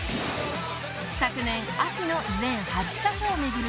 ［昨年秋の全８カ所を巡る